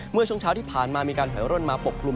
เมื่อช่วงเช้าที่ผ่านมามีการถอยร่นมาปกกลุ่ม